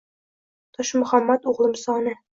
Toshmuhammad o’g’li Musoni!